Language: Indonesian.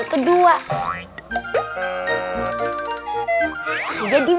juga jalan jalan